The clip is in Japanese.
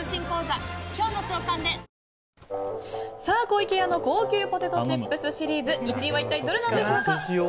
さあ、湖池屋の高級ポテトチップスシリーズ１位は一体どれなんでしょうか。